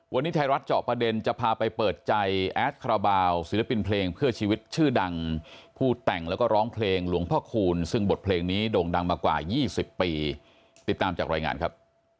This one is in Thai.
วันนี้ไทยรัฐเจาะประเด็นจะพาไปเปิดใจแอดคาราบาลศิลปินเพลงเพื่อชีวิตชื่อดังผู้แต่งแล้วก็ร้องเพลงหลวงพ่อคูณซึ่งบทเพลงนี้โด่งดังมากว่า๒๐ปีติดตามจากรายงานครับ